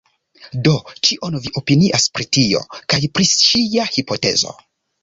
Do, kion vi opinias pri tio? kaj pri ŝia hipotezo?